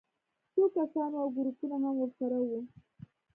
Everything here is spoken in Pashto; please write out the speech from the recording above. څو کسان وو او ګروپونه هم ورسره وو